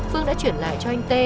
phương đã chuyển lại cho anh t